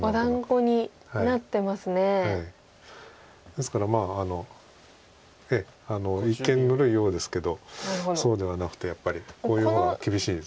ですから一見ぬるいようですけどそうではなくてやっぱりこういう方が厳しいです。